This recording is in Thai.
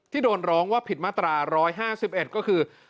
โดนร้องว่าผิดมาตรา๑๕๑ก็คือ